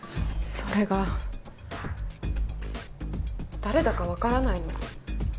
それが誰だかわからないの。